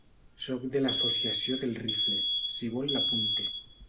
Soc de l'Associació del Rifle, si vol l'apunte.